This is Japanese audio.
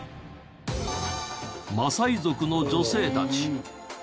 マサイ族の女性たち。